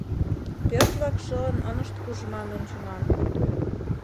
Пӧрт-влак шылын ынышт курж ман ончыман.